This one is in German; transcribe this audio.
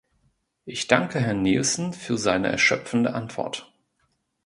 Ich danke Herrn Nielson für seine erschöpfende Antwort.